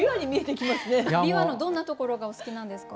びわのどんなところがお好きなんですか？